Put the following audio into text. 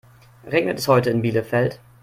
Regnet es heute in Bielefeld?